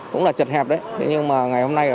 cũng là chật hẹp nhưng mà ngày hôm nay